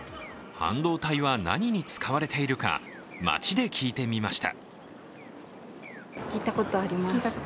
半導体は何に使われているか街で聞いてみました。